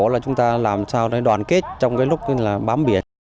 là chúng ta làm sao để đoàn kết trong cái lúc bám biển